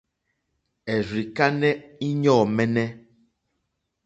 Èrzì kánɛ́ íɲɔ̂ mɛ́nɛ́.